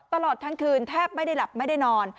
ตลอดทั้งคืนแทบไม่ได้หลับไม่ได้นอน